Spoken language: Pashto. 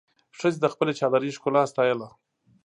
ښځې د خپلې چادري ښکلا ستایله.